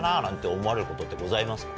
思われることってございますか？